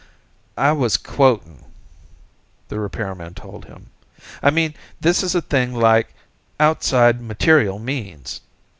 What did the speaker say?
"I was quoting," the repairman told him. "I mean, this is a thing like, outside material means.